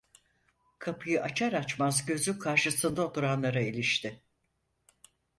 Kapıyı açar açmaz gözü karşısında oturanlara ilişti.